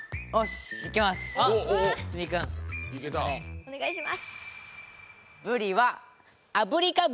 お願いします。